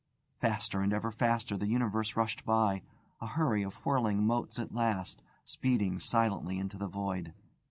Faster and ever faster the universe rushed by, a hurry of whirling motes at last, speeding silently into the void.